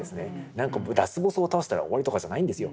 何かラスボスを倒したら終わりとかじゃないんですよ。